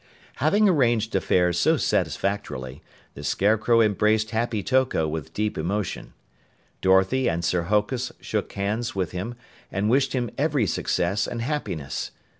Having arranged affairs so satisfactorily, the Scarecrow embraced Happy Toko with deep emotion. Dorothy and Sir Hokus shook hands with him and wished him every success and happiness.